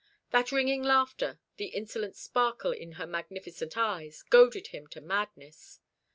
That ringing laughter, the insolent sparkle in her magnificent eyes, goaded him to madness.